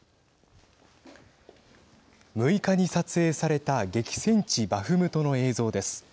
６日に撮影された激戦地バフムトの映像です。